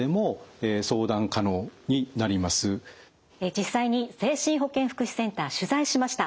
実際に精神保健福祉センター取材しました。